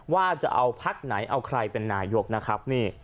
ว่าจะเอาพักไหนเอาใครเป็นนายกนะครับ